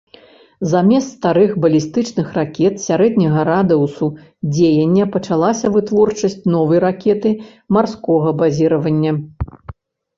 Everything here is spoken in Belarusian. Замест старых балістычных ракет сярэдняга радыусу дзеяння пачалася вытворчасць новай ракеты марскога базіравання.